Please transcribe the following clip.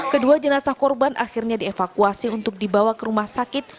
kedua jenazah korban akhirnya dievakuasi untuk dibawa ke rumah sakit